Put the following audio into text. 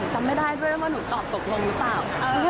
จำไม่ได้ด้วยว่าหนูตอบตกลงหรือเปล่า